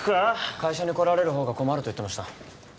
会社に来られるほうが困ると言ってました